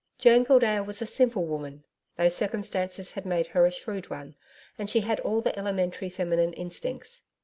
Joan Gildea was a simple woman though circumstances had made her a shrewd one, and she had all the elementary feminine instincts.